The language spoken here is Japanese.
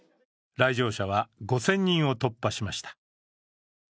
来場者は５０００人を突破しました。